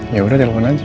yaudah telepon aja